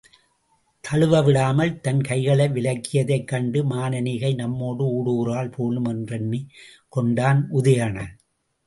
தழுவவிடாமல் தன் கைகளை விலக்கியதைக் கண்டு, மானனீகை நம்மோடு ஊடுகிறாள் போலும் என்றெண்ணிக் கொண்டான் உதயணன்.